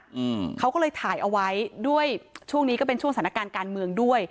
อืมเขาก็เลยถ่ายเอาไว้ด้วยช่วงนี้ก็เป็นช่วงสถานการณ์การเมืองด้วย